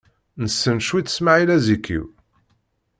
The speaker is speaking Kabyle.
Nessen cwiṭ Smaɛil Azikiw.